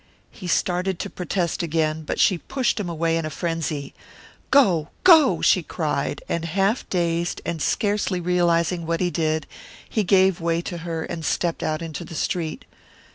He started to protest again; but she pushed him away in frenzy. "Go, go!" she cried; and half dazed, and scarcely realising what he did, he gave way to her and stepped out into the street.